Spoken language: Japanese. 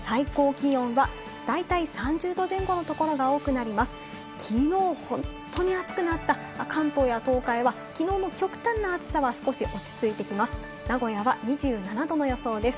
きのう本当に暑くなった関東や東海はきのうの極端な暑さは少し落ち着いてきます。